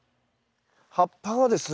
葉っぱはですね